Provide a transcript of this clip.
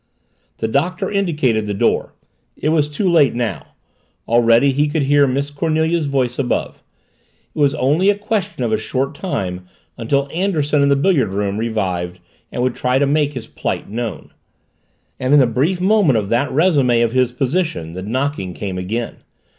The Doctor indicated the door. It was too late now. Already he could hear Miss Cornelia's voice above; it was only a question of a short time until Anderson in the billiard room revived and would try to make his plight known. And in the brief moment of that resumee of his position the knocking came again.